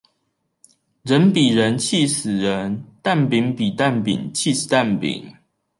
人比人氣死人，蛋餅比蛋餅起司蛋餅